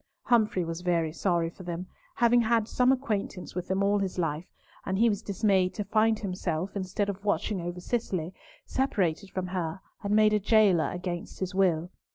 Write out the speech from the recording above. Humfrey was very sorry for them, having had some acquaintance with them all his life, and he was dismayed to find himself, instead of watching over Cicely, separated from her and made a jailer against his will.